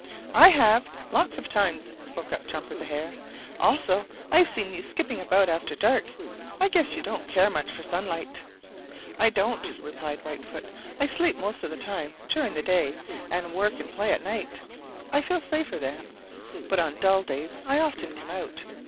"I have, lots of times," spoke up Jumper the Hare. "Also I've seen you skipping about after dark. I guess you don't care much for sunlight." "I don't," replied Whitefoot. "I sleep most of the time during the day, and work and play at night. I feel safer then. But on dull days I often come out.